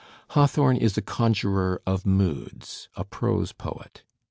Hawthorne is a conjurer of moods, a prose poet.